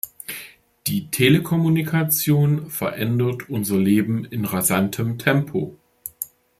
Die Telekommunikation verändert unser Leben in rasantem Tempo.